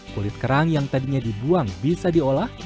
kulit kerang yang tadinya dibuang bisa diolah